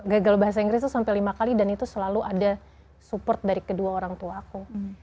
gagal bahasa inggris itu sampai lima kali dan itu selalu ada support dari kedua orang tua aku